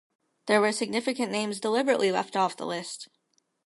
There were significant names deliberately left off of the list.